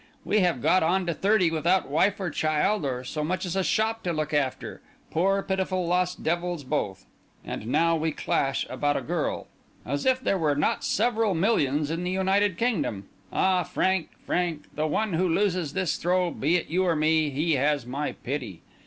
we have got on to thirty without wife or child, or so much as a shop to look after—poor, pitiful, lost devils, both! And now we clash about a girl! As if there were not several millions in the United Kingdom! Ah, Frank, Frank, the one who loses this throw, be it you or me, he has my pity!